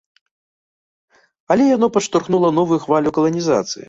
Але яно падштурхнула новую хвалю каланізацыі.